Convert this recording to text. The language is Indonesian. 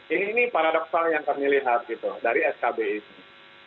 ini paradoksal yang kami lihat gitu dari skb itu